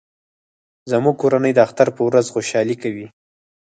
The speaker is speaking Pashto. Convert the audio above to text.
زموږ کورنۍ د اختر په ورځ خوشحالي کوي